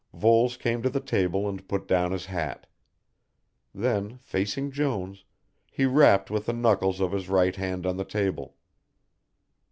Voles came to the table and put down his hat. Then, facing Jones, he rapped with the knuckles of his right hand on the table.